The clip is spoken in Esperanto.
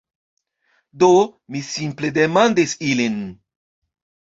Do, mi simple demandis ilin